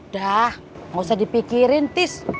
dah gak usah dipikirin tis